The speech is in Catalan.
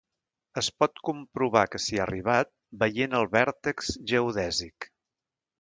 Es pot comprovar que s'hi ha arribat veient el vèrtex geodèsic.